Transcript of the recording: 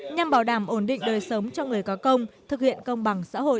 nhằm bảo đảm ổn định đời sống cho người có công thực hiện công bằng xã hội